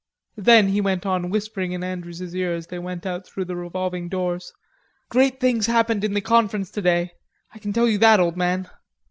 Then, he went on, whispering in Andrews's ear as they went out through the revolving doors: "Great things happened in the Conference today.... I can tell you that, old man."